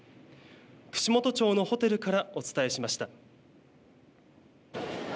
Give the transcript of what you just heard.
串本町のホテルからお伝えしました。